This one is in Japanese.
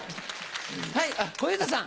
はい小遊三さん。